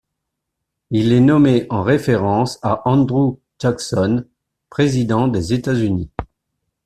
Il est nommé en référence à Andrew Jackson, président des États-Unis.